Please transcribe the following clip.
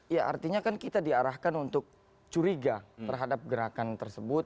ya artinya kan kita diarahkan untuk curiga terhadap gerakan tersebut